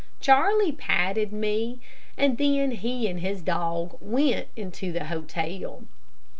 Charlie patted me, and then he and his dog went into the hotel.